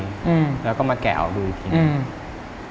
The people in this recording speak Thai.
๓ปีแล้วก็มาแกะออกดูอีกทีหนึ่ง